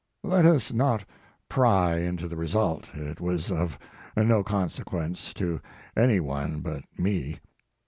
Let us not pry into the result; it was of no con sequence to any one but me.